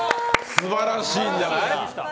すばらしいんじゃない？